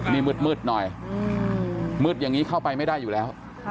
นี่มืดหน่อยมืดอย่างนี้เข้าไปไม่ได้อยู่แล้ว